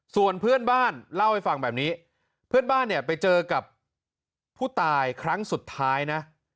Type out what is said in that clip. ส่วนเพื่อนบ้านเล่าให้ฟังแบบนี้เพื่อนบ้านเนี่ยไปเจอกับผู้ตายครั้งสุดท้ายนะ